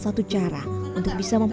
ya mau ada yang keingin gitu